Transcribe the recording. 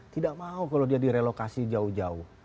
tidak mau kalau dia direlokasi jauh jauh